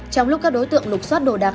trong lúc các đối tượng lục xoát đồ đạc